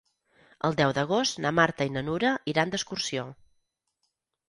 El deu d'agost na Marta i na Nura iran d'excursió.